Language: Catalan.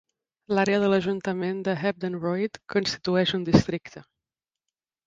L'àrea de l'ajuntament de Hebden Royd constitueix un districte.